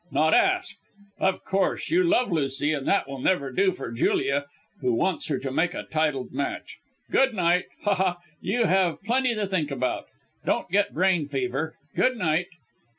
not asked! Of course; you love Lucy, and that will never do for Julia, who wants her to make a titled match. Good night! Ha, ha! You have plenty to think about. Don't get brain fever. Good night!"